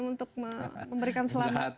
untuk memberikan selamat